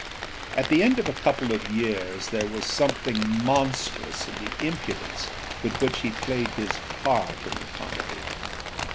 At the end of a couple of years there was something monstrous in the impudence with which he played his part in the comedy.